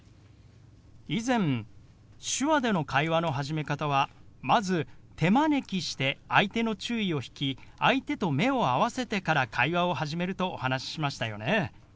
以前手話での会話の始め方はまず手招きして相手の注意を引き相手と目を合わせてから会話を始めるとお話ししましたよね。